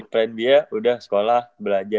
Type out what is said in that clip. plan b nya udah sekolah belajar